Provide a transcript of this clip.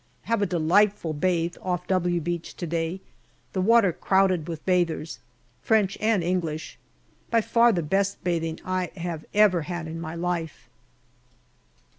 Have a delightful bathe off " W " Beach to day ; the water crowded with bathers, French and English. By far the best bathing I have ever had in my life.